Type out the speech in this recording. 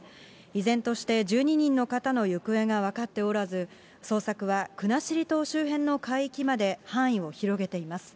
依然として１２人の方の行方が分かっておらず、捜索は国後島周辺の海域まで範囲を広げています。